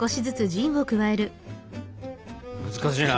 難しいなあ。